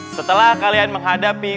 setelah kalian menghadapi